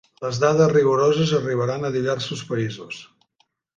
Les dades rigoroses arribaran a diversos països.